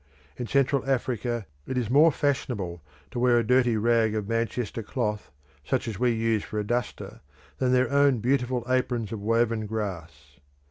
In Central Africa it is more fashionable to wear a dirty rag of Manchester cloth, such as we use for a duster, than their own beautiful aprons of woven grass.